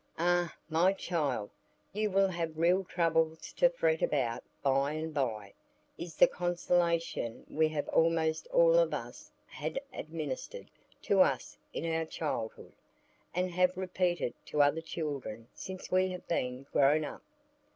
"Ah, my child, you will have real troubles to fret about by and by," is the consolation we have almost all of us had administered to us in our childhood, and have repeated to other children since we have been grown up.